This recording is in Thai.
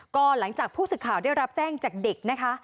ก็หลังจากผู้สื่อข่าวได้รับแจ้งจากเด็กนะคะ